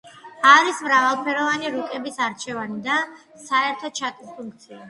არის მრავალფეროვანი რუკების არჩევანი და საერთო ჩატის ფუნქცია.